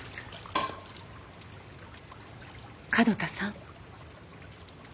角田さん。